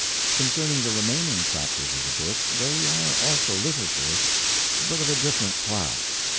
Concerning the remaining chapters of the book, they are also literature, but of a different class.